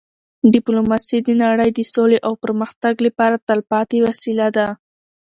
ډيپلوماسي د نړی د سولې او پرمختګ لپاره تلپاتې وسیله ده.